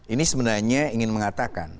ini sebenarnya ingin mengatakan